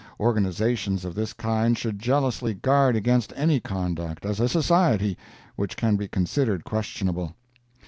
Organizations of this kind should jealously guard against any conduct, as a society, which can be considered questionable.